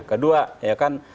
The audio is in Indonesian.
kedua ya kan